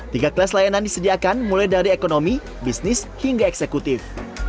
tiga kelas layanan disediakan mulai dari ekonomi bisnis hingga eksekutif